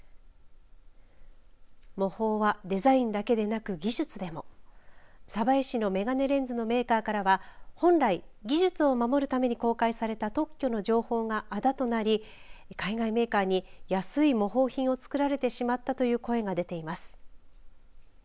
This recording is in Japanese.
模倣はデザインだけでなく技術でも鯖江市の眼鏡レンズのメーカーからは本来技術を守るために公開された特許の情報があだとなり海外メーカーに安い模倣品を作られてしまったという声が出ています。